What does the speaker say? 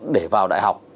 để vào đại học